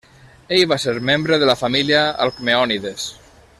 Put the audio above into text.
Ell va ser membre de la família Alcmeònides.